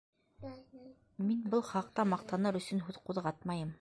Мин был хаҡта маҡтаныр өсөн һүҙ ҡуҙғатмайым.